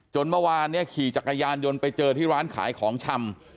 เมื่อวานเนี่ยขี่จักรยานยนต์ไปเจอที่ร้านขายของชำ